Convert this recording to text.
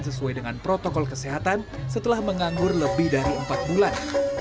sesuai dengan protokol kesehatan setelah menganggur lebih dari empat bulan